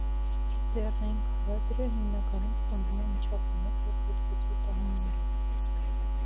Լեռնային քարադրը հիմնականում սնվում է միջատներով և հոդվածոտանիներով։